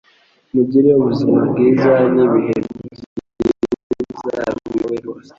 Mugire ubuzima bwiza nibihe byiza bibe ibyawe rwose